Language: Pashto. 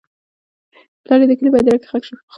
پلار یې د کلي په هدیره کې ښخ شو.